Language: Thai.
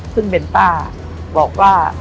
ซึ่งเป็นป้าบอกว่า